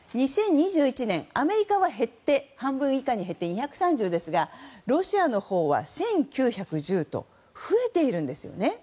２０２１年、アメリカは半分以下に減って２３０ですがロシアは１９１０と増えているんです。